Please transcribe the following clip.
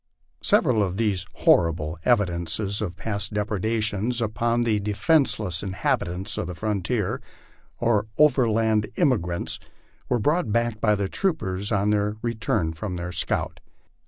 Several of these horrible evidences of past depredations upon the de fenceless inhabitants of the frontier, or overland emigrants, were brought back by the troopers on their return from their scout.